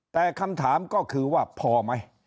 แต่คำถามก็คือว่าพอไหม